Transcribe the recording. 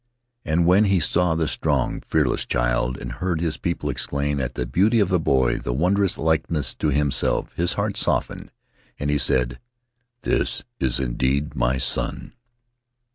And when he saw the strong, fearless child and heard his people exclaim at the beauty of the boy and the wondrous likeness to himself his heart softened and he said, 'This is indeed my son!'